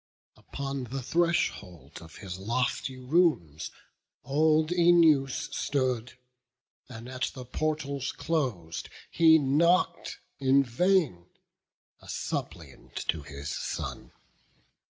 Upon the threshold of his lofty rooms Old Œneus stood, and at the portals clos'd He knock'd in vain, a suppliant to his son.